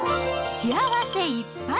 幸せいっぱい！